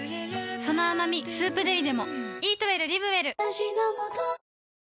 その甘み「スープデリ」でも